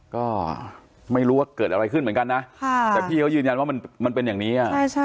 ก็ไม่รู้ว่าเกิดอะไรขึ้นเหมือนกันนะแต่พี่เขายืนยันว่ามันเป็นอย่างนี้